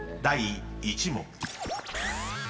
［第１問］